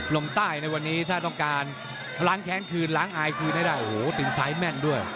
ลงใต้ในวันนี้ถ้าต้องการล้างแค้นคืนล้างอายคืนให้ได้โอ้โหตีนซ้ายแม่นด้วย